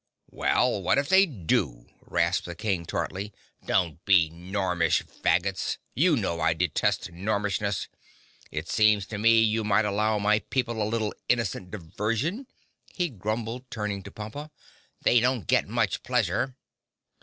"Well, what if they do?" rasped the King tartly. "Don't be gormish Faggots. You know I detest gormishness. It seems to me you might allow my people a little innocent diversion," he grumbled, turning to Pompa, "they don't get much pleasure!"